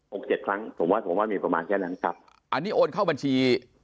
เจ็ดครั้งผมว่าผมว่ามีประมาณแค่นั้นครับอันนี้โอนเข้าบัญชี